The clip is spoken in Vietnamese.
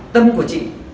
tâm của chị